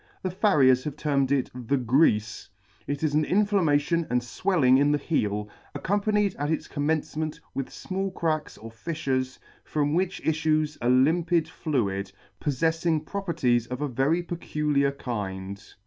The Farriers have termed it the Greafe, It is an in flammation and fwelling in the heel, accompanied at its commencement with fmall cracks or fiffures, from which iffues a limpid fluid, pofTeffing proper ties of a very peculiar kind.